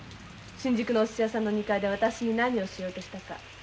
新宿のおすし屋さんの２階で私に何をしようとしたか。